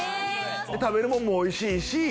食べるものもおいしいし。